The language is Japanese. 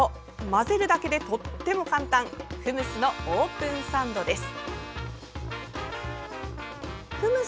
混ぜるだけでとっても簡単フムスのオープンサンドです。